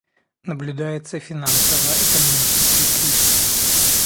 Наблюдается финансово-экономический кризис.